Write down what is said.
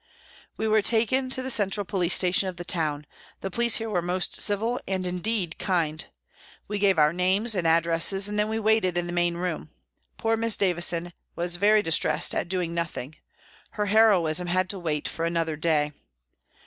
We were taken to the central police station of the town. The police here were most civil, and, indeed, kind. We gave our names and addresses, and then we waited in the main room. Poor Miss Davison was very distressed at doing nothing. Her heroism had to wait for another day.